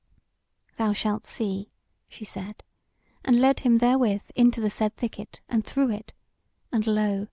"Thou shalt see," she said; and led him therewith into the said thicket and through it, and lo!